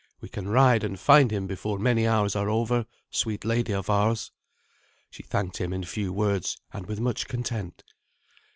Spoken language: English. We can ride and find him before many hours are over, sweet lady of ours." She thanked him in few words, and with much content.